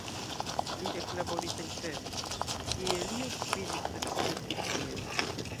Li eklaboris en Pest, kie li okupiĝis precipe pri ĥolero.